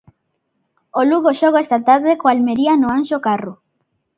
O Lugo xoga esta tarde co Almería no Anxo Carro.